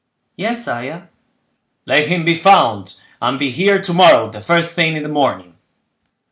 "Yes, sire." "Let him be found, and be here to morrow the first thing in the morning."